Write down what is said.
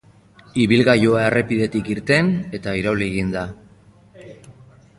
Ibilgailua errepidetik irten eta irauli egin da.